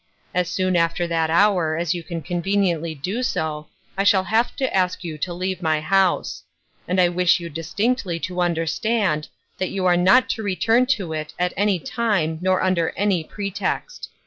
As soon after that hour as you can conveniently do so, I shall have to ask you to leave my house ; and I wish you distinctly to understand that you are not to return to it at any time nor under any pretext.